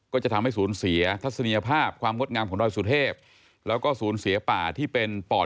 ก็จะทำให้สูญเสียทัศเนี่ยภาพความมดงำของร่อยสุเทพฯ